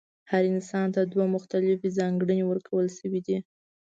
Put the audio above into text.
هر انسان ته دوه مختلفې ځانګړنې ورکړل شوې دي.